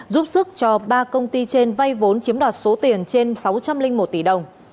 giúp sức cho ba công ty trên vay vốn chiếm đoạt số tiền trên sáu trăm linh một tỷ đồng